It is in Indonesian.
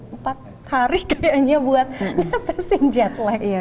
empat hari kayaknya buat netesin jetlag